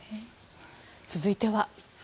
続いては。